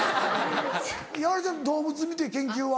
ヤワラちゃん動物見て研究は？